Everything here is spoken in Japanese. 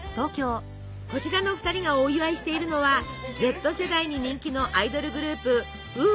こちらの２人がお祝いしているのはＺ世代に人気のアイドルグループｗｏｏ！